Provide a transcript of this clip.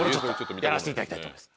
やらせていただきたいと思います。